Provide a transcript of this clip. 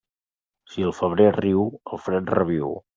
Si el febrer riu, el fred reviu.